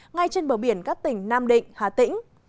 ngay trên bờ biển các tỉnh nam định hà tĩnh